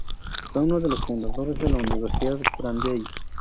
Fue uno de los fundadores de la Universidad Brandeis.